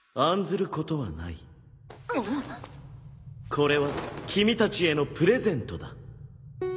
これは君たちへのプレゼントだ。